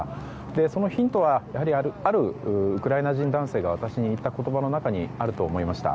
そのヒントはあるウクライナ人男性が私に言った言葉の中にあると思いました。